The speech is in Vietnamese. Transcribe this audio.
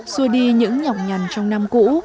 xua đi những nhọc nhằn trong năm cũ